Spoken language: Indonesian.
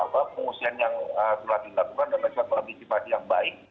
dan pengusian yang sudah dilakukan adalah suatu antisipasi yang baik